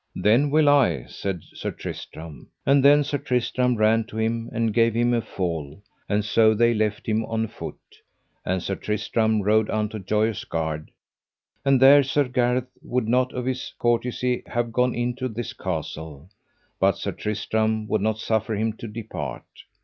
Then will I, said Sir Tristram. And then Sir Tristram ran to him, and gave him a fall; and so they left them on foot, and Sir Tristram rode unto Joyous Gard, and there Sir Gareth would not of his courtesy have gone into this castle, but Sir Tristram would not suffer him to depart.